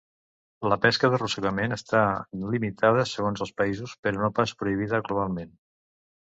La pesca d’arrossegament està limitada, segons els països, però no pas prohibida globalment.